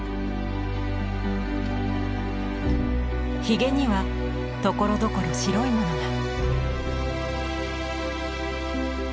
ひげにはところどころ白いものが。